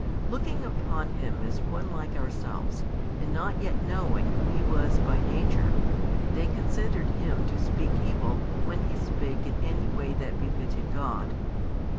Looking upon Him as one like ourselves, and not yet knowing Who He was by Nature, they considered Him to speak evil when He spake in any way that befitted God.